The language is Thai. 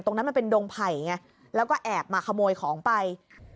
ตรงนั้นมันเป็นดงไผ่แล้วก็แอบมาขโมยของไป